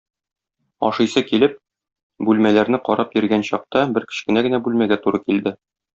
Ашыйсы килеп, бүлмәләрне карап йөргән чакта, бер кечкенә генә бүлмәгә туры килде.